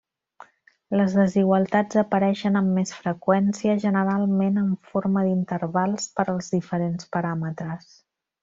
Les desigualtats apareixen amb més freqüència, generalment en forma d'intervals per als diferents paràmetres.